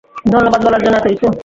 ধন্যবাদ বলার জন্য এতো কিছু?